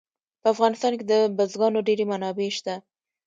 په افغانستان کې د بزګانو ډېرې منابع شته.